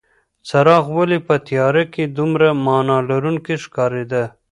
څراغ ولې په تیاره کې دومره مانا لرونکې ښکارېده؟